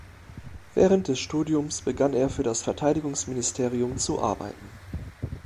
Während des Studiums begann er für das Verteidigungsministerium zu arbeiten.